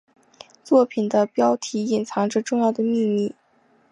作品的标题隐藏着重要的秘密。